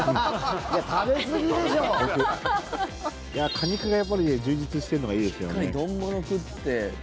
果肉が充実しているのがいいですよね。